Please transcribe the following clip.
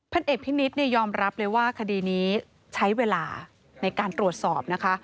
เอกพินิษฐ์ยอมรับเลยว่าคดีนี้ใช้เวลาในการตรวจสอบนะคะ